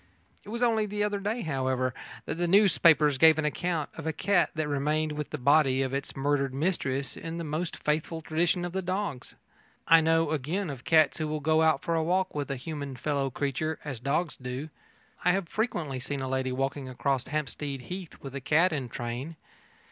It was only the other day, however, that the newspapers gave an account of a cat that remained with the body of its murdered mistress in the most faithful tradition of the dogs. I know, again, of cats that will go out for a walk with a human fellow creature, as dogs do. I have frequently seen a lady walking across Hampstead Heath with a cat in train.